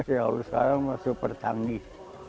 ya sekarang mah super canggih